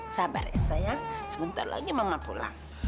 sabar ya sayang sebentar lagi mama pulang